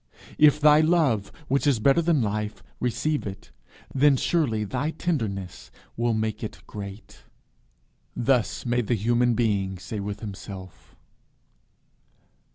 If thy love, which is better than life, receive it, then surely thy tenderness will make it great." Thus may the Human Being say with himself.